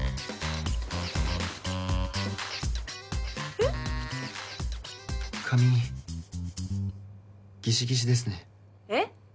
えっ？髪ギシギシですねえっ？